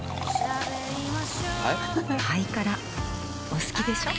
お好きでしょ。